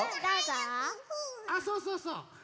あそうそうそう。